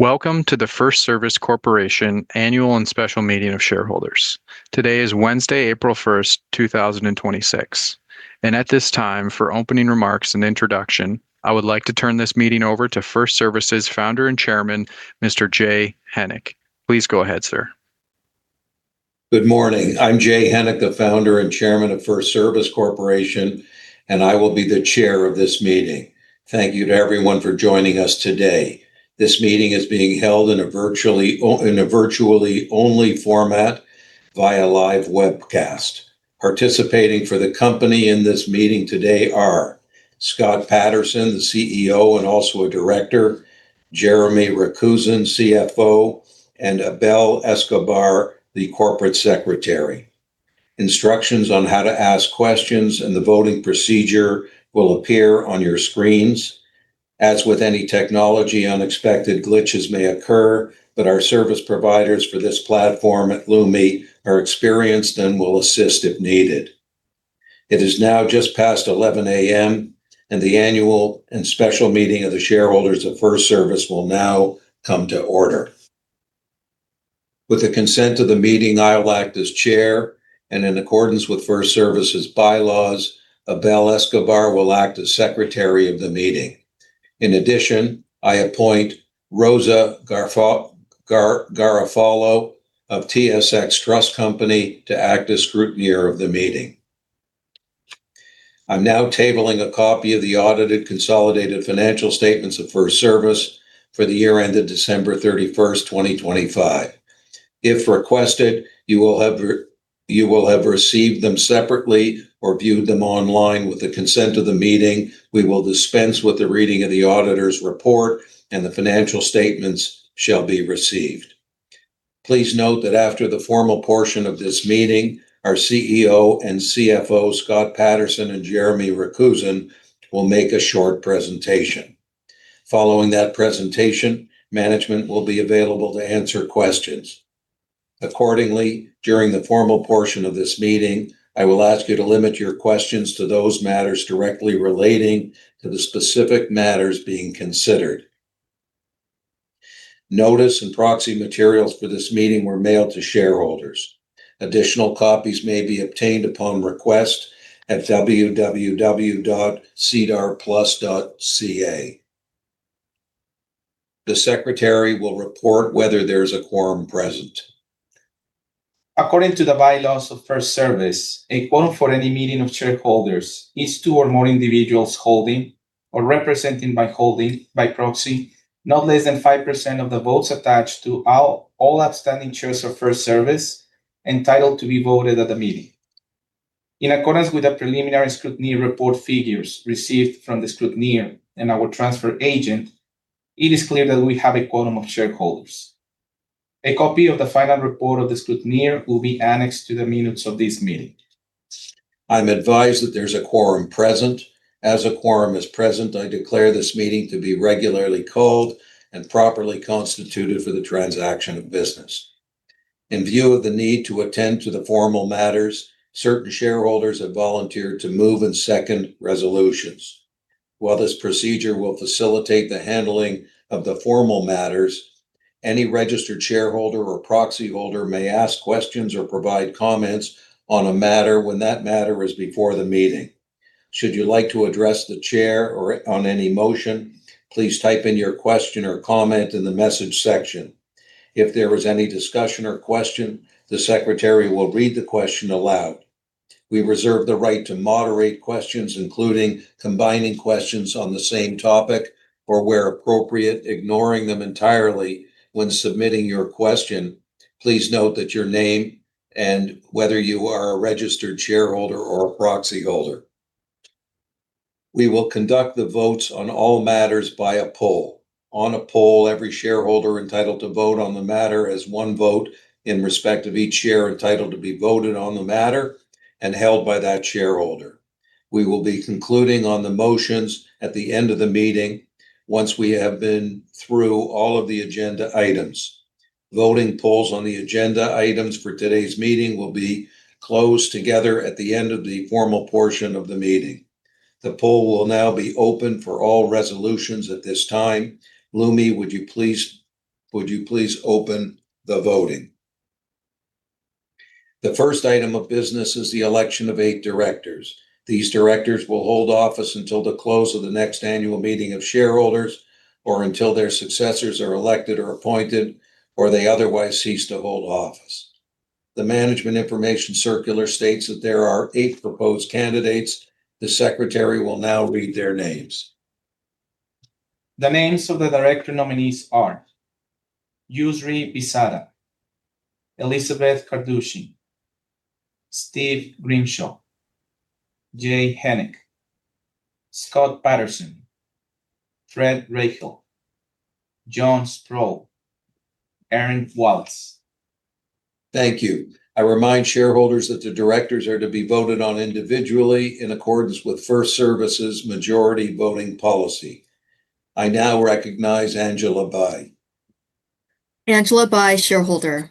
Welcome to the FirstService Corporation Annual and Special Meeting of Shareholders. Today is Wednesday, April 1st 2026. At this time, for opening remarks and introduction, I would like to turn this meeting over to FirstService's Founder and Chairman, Mr. Jay Henick. Please go ahead, sir. Good morning. I'm Jay Hennick, the Founder and Chairman of FirstService Corporation, and I will be the Chair of this meeting. Thank you to everyone for joining us today. This meeting is being held in a virtually only format via live webcast. Participating for the company in this meeting today are Scott Patterson, the CEO, and also a director, Jeremy Rakusin, CFO, and Abel Escobar, the Corporate Secretary. Instructions on how to ask questions and the voting procedure will appear on your screens. As with any technology, unexpected glitches may occur, but our service providers for this platform at Lumi are experienced and will assist if needed. It is now just past 11:00 A.M., and the Annual and Special Meeting of the Shareholders of FirstService will now come to order. With the consent of the meeting, I will act as chair, and in accordance with FirstService's bylaws, Abel Escobar will act as secretary of the meeting. In addition, I appoint Rosa Garofalo of TSX Trust Company to act as scrutineer of the meeting. I'm now tabling a copy of the audited consolidated financial statements of FirstService for the year ended December 31st 2025. If requested, you will have received them separately or viewed them online. With the consent of the meeting, we will dispense with the reading of the auditor's report, and the financial statements shall be received. Please note that after the formal portion of this meeting, our CEO and CFO, Scott Patterson and Jeremy Rakusin, will make a short presentation. Following that presentation, management will be available to answer questions. Accordingly, during the formal portion of this meeting, I will ask you to limit your questions to those matters directly relating to the specific matters being considered. Notice and proxy materials for this meeting were mailed to shareholders. Additional copies may be obtained upon request at www.sedarplus.ca. The secretary will report whether there is a quorum present. According to the bylaws of FirstService, a quorum for any meeting of shareholders is two or more individuals holding or representing by proxy, not less than 5% of the votes attached to all outstanding shares of FirstService entitled to be voted at the meeting. In accordance with the preliminary scrutineer report figures received from the scrutineer and our transfer agent, it is clear that we have a quorum of shareholders. A copy of the final report of the scrutineer will be annexed to the minutes of this meeting. I'm advised that there's a quorum present. As a quorum is present, I declare this meeting to be regularly called and properly constituted for the transaction of business. In view of the need to attend to the formal matters, certain shareholders have volunteered to move and second resolutions. While this procedure will facilitate the handling of the formal matters, any registered shareholder or proxy holder may ask questions or provide comments on a matter when that matter is before the meeting. Should you like to address the Chair or on any motion, please type in your question or comment in the message section. If there is any discussion or question, the Secretary will read the question aloud. We reserve the right to moderate questions, including combining questions on the same topic or, where appropriate, ignoring them entirely. When submitting your question, please note that your name and whether you are a registered shareholder or a proxy holder. We will conduct the votes on all matters by a poll. On a poll, every shareholder entitled to vote on the matter has one vote in respect of each share entitled to be voted on the matter and held by that shareholder. We will be concluding on the motions at the end of the meeting once we have been through all of the agenda items. Voting polls on the agenda items for today's meeting will be closed together at the end of the formal portion of the meeting. The poll will now be open for all resolutions at this time. Lumi, would you please open the voting? The first item of business is the election of eight directors. These directors will hold office until the close of the next Annual Meeting of Shareholders or until their successors are elected or appointed or they otherwise cease to hold office. The management information circular states that there are eight proposed candidates. The secretary will now read their names. The names of the director nominees are Yousry Bissada, Elizabeth Carducci, Steve Grimshaw, Jay Hennick, Scott Patterson, Fred Prachel, John Stroll, Erin Wallace. Thank you. I remind shareholders that the directors are to be voted on individually in accordance with FirstService's majority voting policy. I now recognize Angela Bai. Angela Bai, shareholder.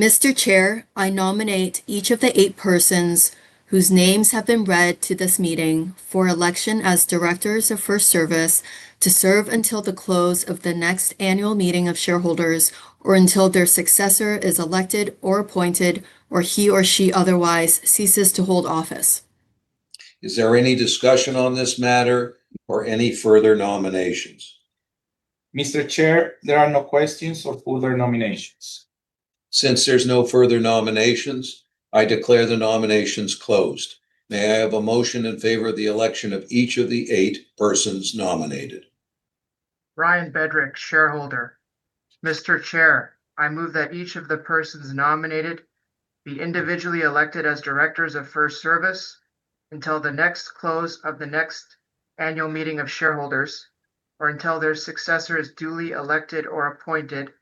Mr. Chair, I nominate each of the eight persons whose names have been read to this meeting for election as directors of FirstService to serve until the close of the next Annual Meeting of Shareholders or until their successor is elected or appointed or he or she otherwise ceases to hold office. Is there any discussion on this matter or any further nominations? Mr. Chair, there are no questions or further nominations. Since there's no further nominations, I declare the nominations closed. May I have a motion in favor of the election of each of the eight persons nominated? Brian Bedrick, shareholder. Mr. Chair, I move that each of the persons nominated be individually elected as Directors of FirstService until the next close of the next Annual Meeting of Shareholders or until their successor is duly elected or appointed,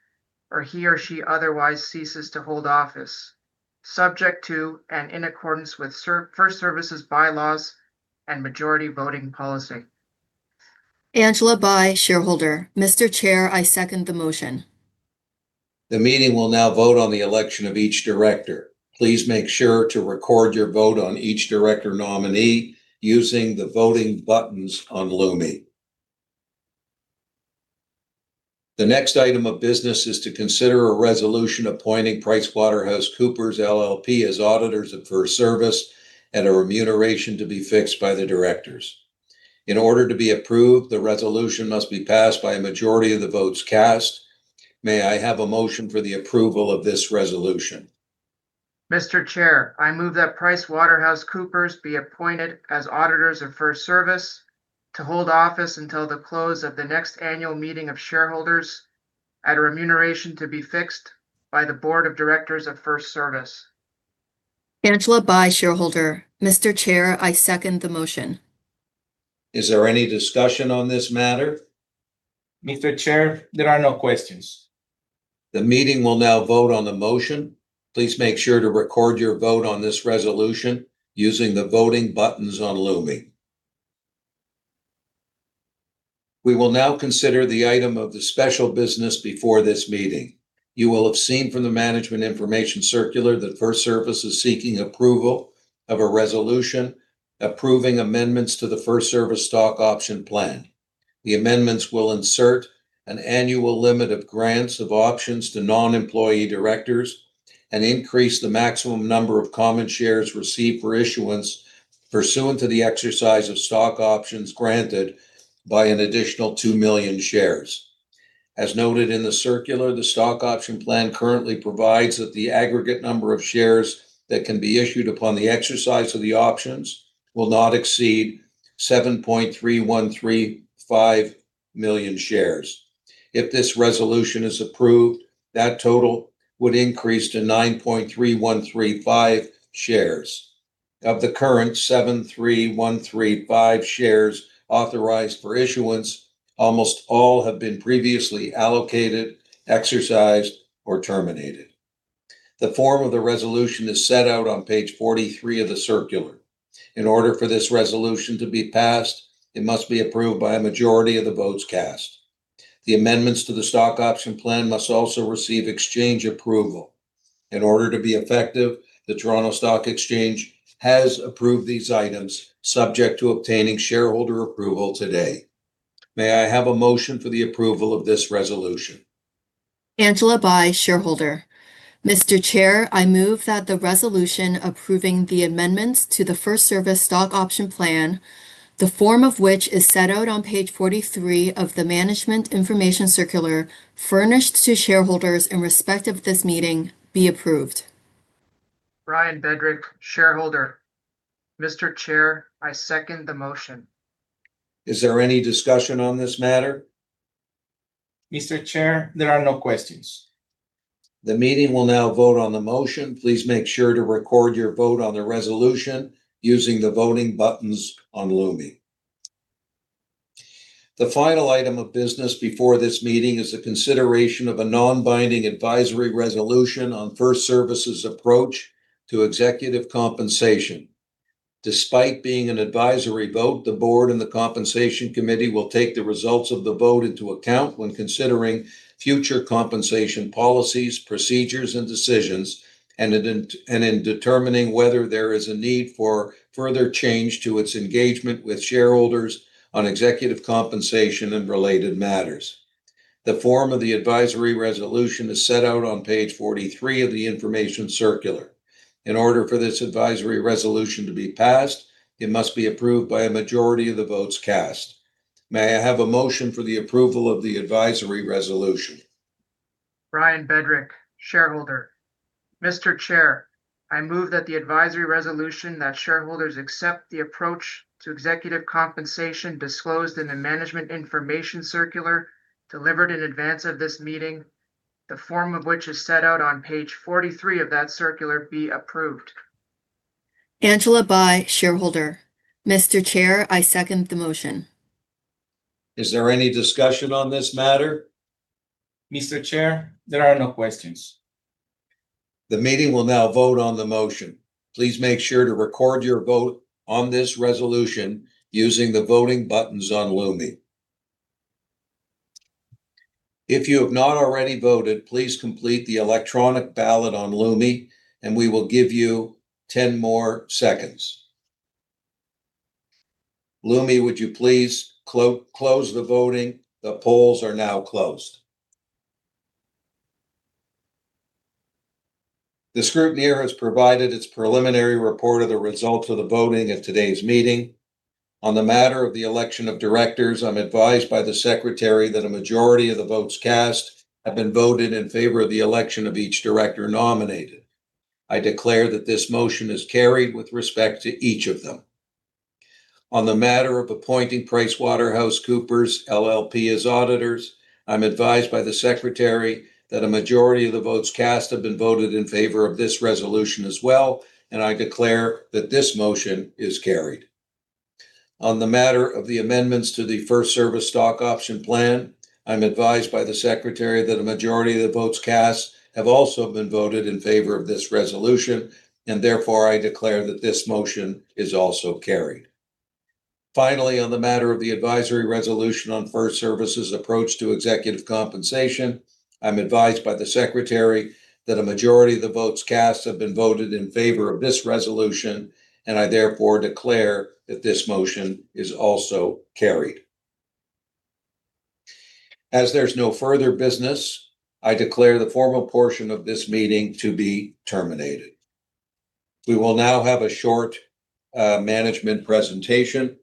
or he or she otherwise ceases to hold office, subject to and in accordance with FirstService's bylaws and majority voting policy. Angela Bai, shareholder. Mr. Chair, I second the motion. The meeting will now vote on the election of each Director. Please make sure to record your vote on each Director Nominee using the voting buttons on Lumi. The next item of business is to consider a resolution appointing PricewaterhouseCoopers LLP as Auditors of FirstService at a remuneration to be fixed by the Directors. In order to be approved, the resolution must be passed by a majority of the votes cast. May I have a motion for the approval of this resolution? Mr. Chair, I move that PricewaterhouseCoopers be appointed as Auditors of FirstService to hold office until the close of the next Annual Meeting of Shareholders at a remuneration to be fixed by the board of directors of FirstService. Angela Bai, shareholder. Mr. Chair, I second the motion. Is there any discussion on this matter? Mr. Chair, there are no questions. The meeting will now vote on the motion. Please make sure to record your vote on this resolution using the voting buttons on Lumi. We will now consider the item of the special business before this meeting. You will have seen from the management information circular that FirstService is seeking approval of a resolution approving amendments to the FirstService stock option plan. The amendments will insert an annual limit of grants of options to non-employee Directors and increase the maximum number of common shares reserved for issuance pursuant to the exercise of stock options granted by an additional 2 million shares. As noted in the circular, the stock option plan currently provides that the aggregate number of shares that can be issued upon the exercise of the options will not exceed 7.3135 million shares. If this resolution is approved, that total would increase to 9.3135 million shares. Of the current 7.3135 million shares authorized for issuance, almost all have been previously allocated, exercised, or terminated. The form of the resolution is set out on page 43 of the circular. In order for this resolution to be passed, it must be approved by a majority of the votes cast. The amendments to the stock option plan must also receive exchange approval. In order to be effective, the Toronto Stock Exchange has approved these items subject to obtaining shareholder approval today. May I have a motion for the approval of this resolution? Angela Bai, shareholder. Mr. Chair, I move that the resolution approving the amendments to the FirstService stock option plan, the form of which is set out on page 43 of the management information circular furnished to shareholders in respect of this meeting, be approved. Brian Bedrick, shareholder. Mr. Chair, I second the motion. Is there any discussion on this matter? Mr. Chair, there are no questions. The meeting will now vote on the motion. Please make sure to record your vote on the resolution using the voting buttons on Lumi. The final item of business before this meeting is the consideration of a non-binding advisory resolution on FirstService's approach to executive compensation. Despite being an advisory vote, the Board and the Compensation Committee will take the results of the vote into account when considering future compensation policies, procedures, and decisions, and in determining whether there is a need for further change to its engagement with shareholders on executive compensation and related matters. The form of the advisory resolution is set out on page 43 of the information circular. In order for this advisory resolution to be passed, it must be approved by a majority of the votes cast. May I have a motion for the approval of the advisory resolution? Brian Bedrick, shareholder. Mr. Chair, I move that the advisory resolution that shareholders accept the approach to executive compensation disclosed in the management information circular delivered in advance of this meeting, the form of which is set out on page 43 of that circular, be approved. Angela Bai, shareholder. Mr. Chair, I second the motion. Is there any discussion on this matter? Mr. Chair, there are no questions. The meeting will now vote on the motion. Please make sure to record your vote on this resolution using the voting buttons on Lumi. If you have not already voted, please complete the electronic ballot on Lumi, and we will give you 10 more seconds. Lumi, would you please close the voting? The polls are now closed. The scrutineer has provided its preliminary report of the results of the voting at today's meeting. On the matter of the election of Directors, I'm advised by the Secretary that a majority of the votes cast have been voted in favor of the election of each Director nominated. I declare that this motion is carried with respect to each of them. On the matter of appointing PricewaterhouseCoopers LLP as auditors, I'm advised by the Secretary that a majority of the votes cast have been voted in favor of this resolution as well, and I declare that this motion is carried. On the matter of the amendments to the FirstService stock option plan, I'm advised by the Secretary that a majority of the votes cast have also been voted in favor of this resolution, and therefore, I declare that this motion is also carried. Finally, on the matter of the advisory resolution on FirstService's approach to executive compensation, I'm advised by the Secretary that a majority of the votes cast have been voted in favor of this resolution, and I therefore declare that this motion is also carried. As there's no further business, I declare the formal portion of this meeting to be terminated. We will now have a short management presentation.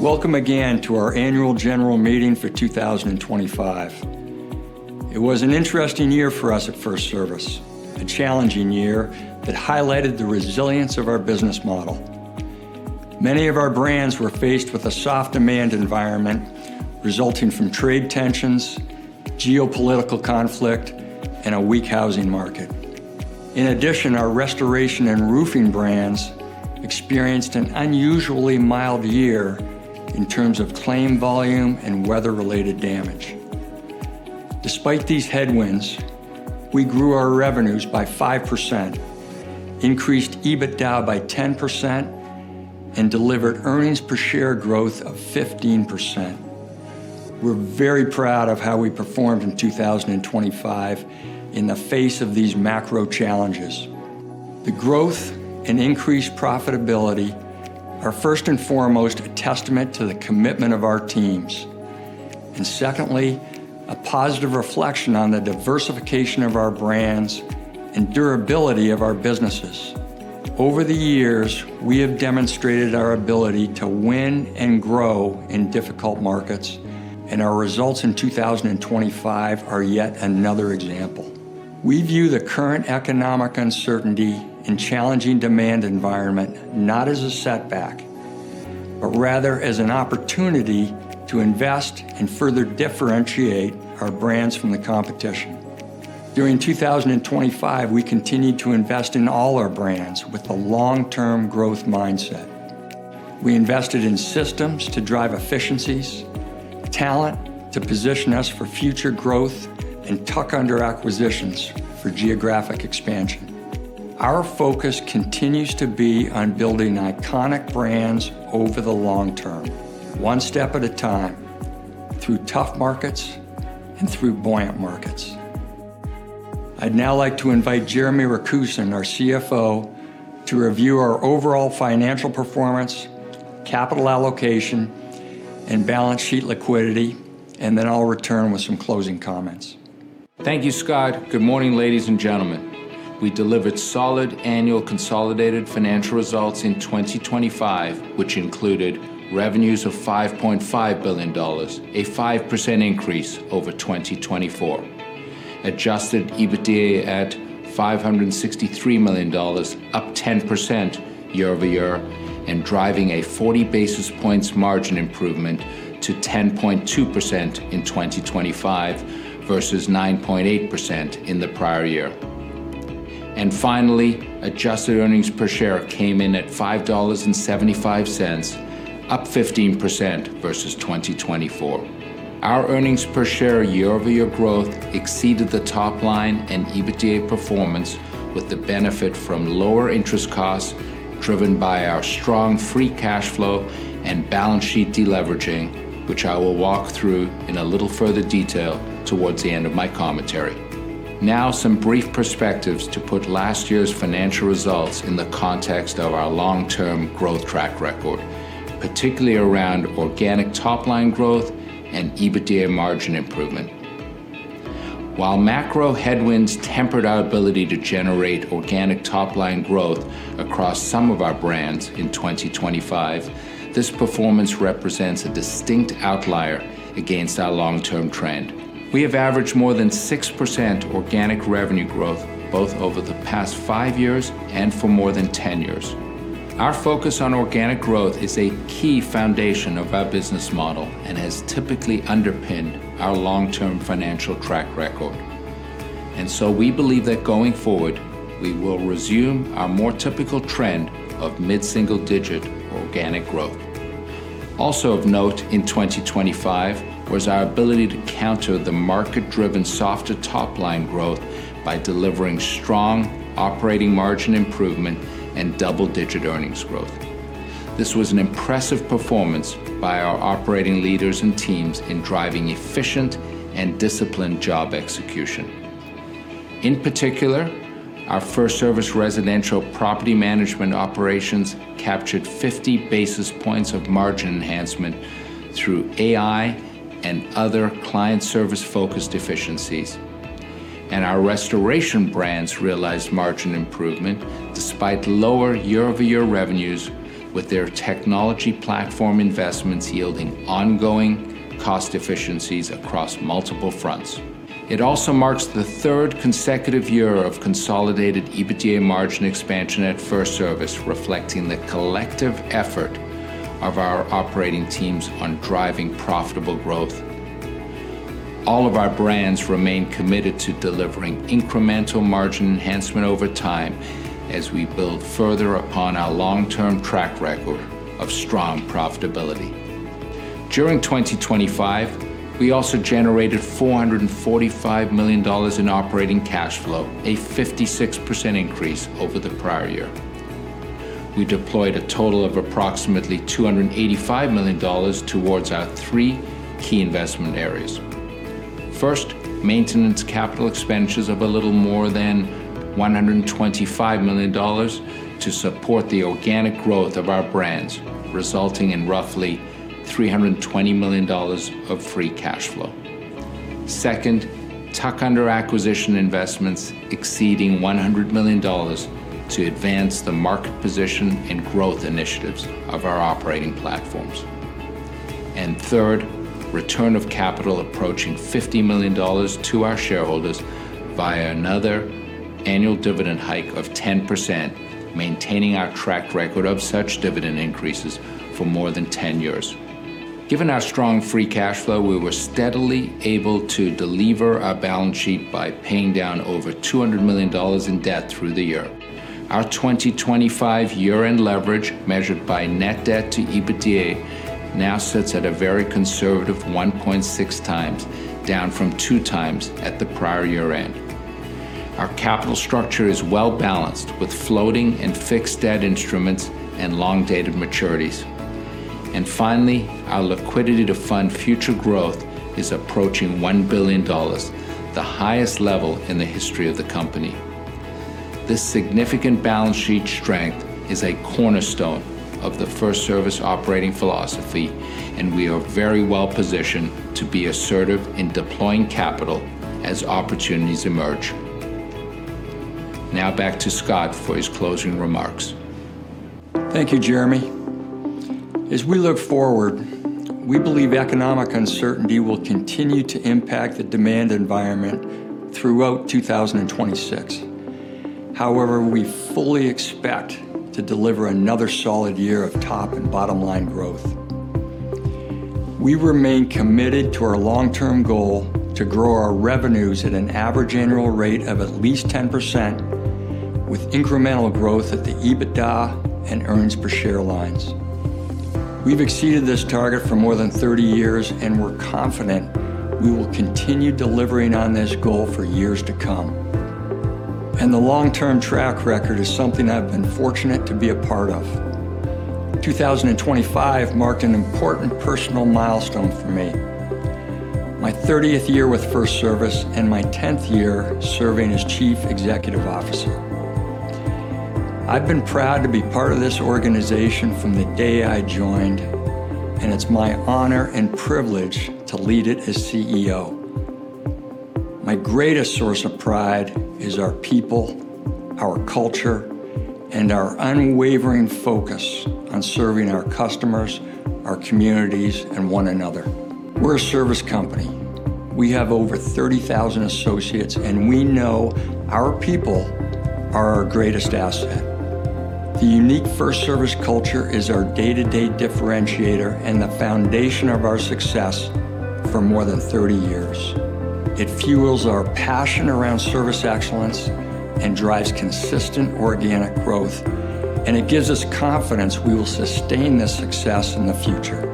Welcome again to our Annual General Meeting for 2025. It was an interesting year for us at FirstService, a challenging year that highlighted the resilience of our business model. Many of our brands were faced with a soft demand environment resulting from trade tensions, geopolitical conflict, and a weak housing market. In addition, our restoration and roofing brands experienced an unusually mild year in terms of claim volume and weather-related damage. Despite these headwinds, we grew our revenues by 5%, increased EBITDA by 10%, and delivered earnings per share growth of 15%. We're very proud of how we performed in 2025 in the face of these macro challenges. The growth and increased profitability are first and foremost a testament to the commitment of our teams, and secondly, a positive reflection on the diversification of our brands and durability of our businesses. Over the years, we have demonstrated our ability to win and grow in difficult markets, and our results in 2025 are yet another example. We view the current economic uncertainty and challenging demand environment not as a setback, but rather as an opportunity to invest and further differentiate our brands from the competition. During 2025, we continued to invest in all our brands with a long-term growth mindset. We invested in systems to drive efficiencies, talent to position us for future growth, and tuck-under acquisitions for geographic expansion. Our focus continues to be on building iconic brands over the long term, one step at a time, through tough markets and through buoyant markets. I'd now like to invite Jeremy Rakusin, our CFO, to review our overall financial performance, capital allocation, and balance sheet liquidity, and then I'll return with some closing comments. Thank you, Scott. Good morning, ladies and gentlemen. We delivered solid annual consolidated financial results in 2025, which included revenues of $5.5 billion, a 5% increase over 2024. Adjusted EBITDA at $563 million, up 10% year-over-year and driving a 40 basis points margin improvement to 10.2% in 2025 versus 9.8% in the prior year. Finally, adjusted earnings per share came in at $5.75, up 15% versus 2024. Our earnings per share year-over-year growth exceeded the top line and EBITDA performance with the benefit from lower interest costs driven by our strong free cash flow and balance sheet deleveraging, which I will walk through in a little further detail towards the end of my commentary. Now, some brief perspectives to put last year's financial results in the context of our long-term growth track record, particularly around organic top-line growth and EBITDA margin improvement. While macro headwinds tempered our ability to generate organic top-line growth across some of our brands in 2025, this performance represents a distinct outlier against our long-term trend. We have averaged more than 6% organic revenue growth both over the past five years and for more than 10 years. Our focus on organic growth is a key foundation of our business model and has typically underpinned our long-term financial track record. We believe that going forward, we will resume our more typical trend of mid-single-digit organic growth. Also of note in 2025 was our ability to counter the market-driven softer top-line growth by delivering strong operating margin improvement and double-digit earnings growth. This was an impressive performance by our operating leaders and teams in driving efficient and disciplined job execution. In particular, our FirstService Residential property management operations captured 50 basis points of margin enhancement through AI and other client service-focused efficiencies. Our restoration brands realized margin improvement despite lower year-over-year revenues with their technology platform investments yielding ongoing cost efficiencies across multiple fronts. It also marks the third consecutive year of consolidated EBITDA margin expansion at FirstService, reflecting the collective effort of our operating teams on driving profitable growth. All of our brands remain committed to delivering incremental margin enhancement over time as we build further upon our long-term track record of strong profitability. During 2025, we also generated $445 million in operating cash flow, a 56% increase over the prior year. We deployed a total of approximately $285 million towards our three key investment areas. First, maintenance capital expenditures of a little more than $125 million to support the organic growth of our brands, resulting in roughly $320 million of free cash flow. Second, tuck-under acquisition investments exceeding $100 million to advance the market position and growth initiatives of our operating platforms. Third, return of capital approaching $50 million to our shareholders via another annual dividend hike of 10%, maintaining our track record of such dividend increases for more than 10 years. Given our strong free cash flow, we were steadily able to delever our balance sheet by paying down over $200 million in debt through the year. Our 2025 year-end leverage, measured by Net Debt-to EBITDA, now sits at a very conservative 1.6x, down from 2x at the prior year-end. Our capital structure is well-balanced with floating and fixed debt instruments and long dated maturities. Finally, our liquidity to fund future growth is approaching $1 billion, the highest level in the history of the company. This significant balance sheet strength is a cornerstone of the FirstService operating philosophy, and we are very well positioned to be assertive in deploying capital as opportunities emerge. Now back to Scott for his closing remarks. Thank you, Jeremy. As we look forward, we believe economic uncertainty will continue to impact the demand environment throughout 2026. However, we fully expect to deliver another solid year of top and bottom line growth. We remain committed to our long-term goal to grow our revenues at an average annual rate of at least 10% with incremental growth at the EBITDA and earnings per share lines. We've exceeded this target for more than 30 years, and we're confident we will continue delivering on this goal for years to come. The long-term track record is something I've been fortunate to be a part of. 2025 marked an important personal milestone for me, my 30th year with FirstService and my 10th year serving as Chief Executive Officer. I've been proud to be part of this organization from the day I joined, and it's my honor and privilege to lead it as CEO. My greatest source of pride is our people, our culture, and our unwavering focus on serving our customers, our communities, and one another. We're a service company. We have over 30,000 associates, and we know our people are our greatest asset. The unique FirstService culture is our day-to-day differentiator and the foundation of our success for more than 30 years. It fuels our passion around service excellence and drives consistent organic growth, and it gives us confidence we will sustain this success in the future.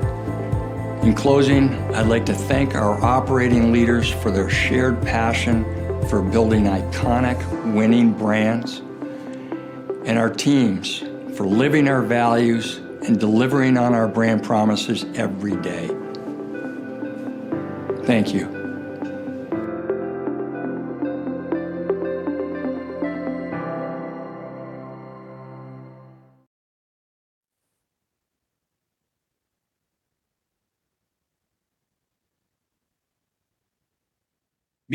In closing, I'd like to thank our operating leaders for their shared passion for building iconic winning brands and our teams for living our values and delivering on our brand promises every day. Thank you.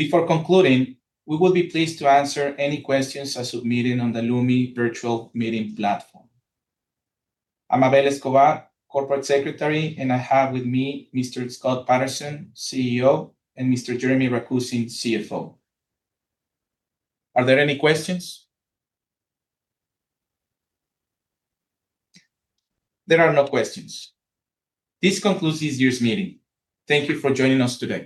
Before concluding, we will be pleased to answer any questions as submitted on the Lumi Virtual Meeting platform. I'm Abel Escobar, Corporate Secretary, and I have with me Mr. Scott Patterson, CEO, and Mr. Jeremy Rakusin, CFO. Are there any questions? There are no questions. This concludes this year's meeting. Thank you for joining us today.